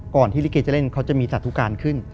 ก่อนที่ลิเกย์จะเล่นเขาจะมีสาธุการณ์ขึ้น